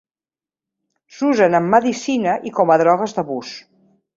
S'usen en medicina i com a drogues d'abús.